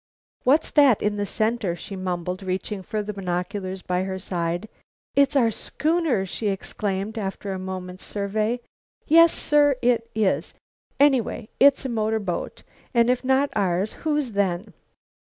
"What's that in the center?" she mumbled, reaching for the binoculars by her side. "It's our schooner," she exclaimed after a moment's survey. "Yes, sir, it is! Anyway, it's a motor boat, and if not ours, whose then?"